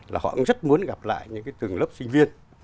là họ rất muốn gặp lại những cái từng lớp sinh viên